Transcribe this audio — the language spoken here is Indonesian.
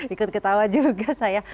ikut ketawa juga saya